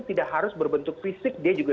tidak harus berbentuk fisik dia juga